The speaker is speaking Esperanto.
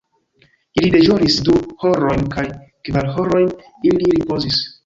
Ili deĵoris du horojn kaj kvar horojn ili ripozis.